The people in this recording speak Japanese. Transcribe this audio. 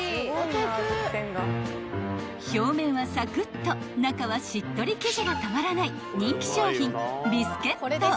［表面はサクッと中はしっとり生地がたまらない人気商品］